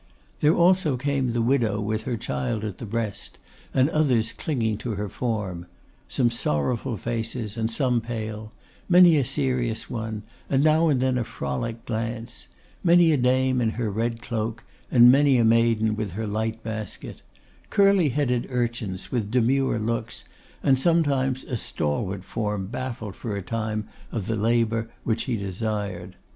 There also came the widow with her child at the breast, and others clinging to her form; some sorrowful faces, and some pale; many a serious one, and now and then a frolic glance; many a dame in her red cloak, and many a maiden with her light basket; curly headed urchins with demure looks, and sometimes a stalwart form baffled for a time of the labour which he desired.